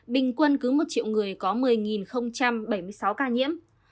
bình quân cứ một triệu người có một mươi bảy mươi sáu ca nhiễm